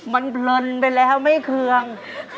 มันเพลินไปแล้วไม่เคือง